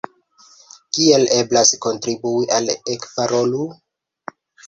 Kiel eblas kontribui al Ekparolu?